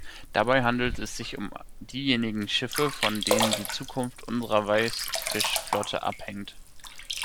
Dabei handelt es sich um diejenigen Schiffe, von denen die Zukunft unserer Weißfischflotte abhängt.